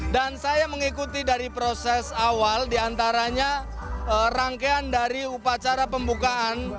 saya mengikuti dari proses awal diantaranya rangkaian dari upacara pembukaan